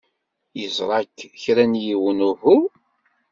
Yeẓra-k kra n yiwen? Uhu.